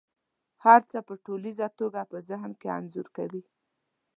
هر څه په ټوليزه توګه په ذهن کې انځور کوي.